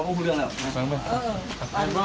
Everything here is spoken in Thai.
ลองอุ้มเรือนล่ะ